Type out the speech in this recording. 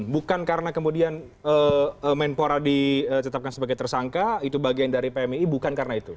bukan karena kemudian menpora ditetapkan sebagai tersangka itu bagian dari pmi bukan karena itu